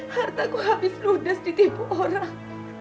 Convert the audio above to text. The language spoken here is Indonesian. harta aku habis ludas ditipu orang